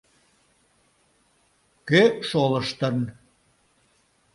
— Кӧ шолыштын?..